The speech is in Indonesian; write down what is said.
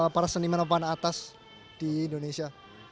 para seniman seniman pop art atas di indonesia